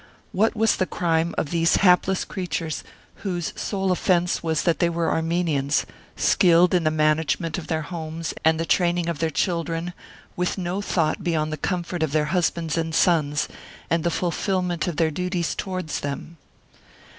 What was the crime of these hapless creatures, whose sole offence was that they were Armenians, skilled in the management of their homes and the training of their children, with no thought beyond the comfort of their husbands and sons, and the fulfilment of their duties towards them.